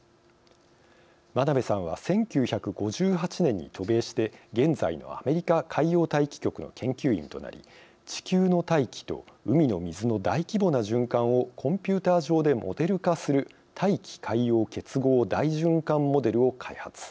真鍋さんは１９５８年に渡米して現在のアメリカ海洋大気局の研究員となり地球の大気と海の水の大規模な循環をコンピューター上でモデル化する大気海洋結合大循環モデルを開発。